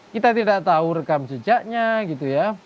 kita tidak tahu rekam jejaknya gitu ya